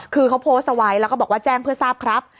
คือเขาโพสต์เอาไว้แล้วก็บอกว่าแจ้งเพื่อทราบครับ